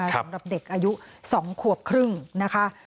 สำหรับเด็กอายุ๒ขวบครึ่งนะคะ